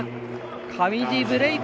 上地、ブレーク。